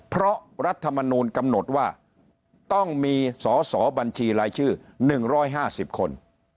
เพราะรัฐมนูลกำหนดว่าต้องมีสอสอบัญชีรายชื่อ๑๕๐คน